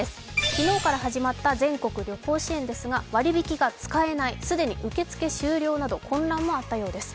昨日から始まった全国旅行支援ですが割り引きが使えない、既に受け付け終了など混乱もあったようです。